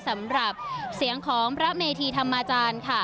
สำหรับเสียงของพระเมธีธรรมาจารย์ค่ะ